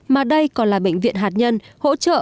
mà đây còn là bệnh viện hạt nhân hỗ trợ